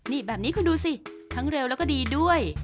นี่แบบนี้คุณดูสิทั้งเร็วแล้วก็ดีด้วย